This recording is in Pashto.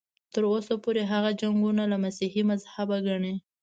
تر اوسه پورې هغه جنګونه له مسیحي مذهبه ګڼي.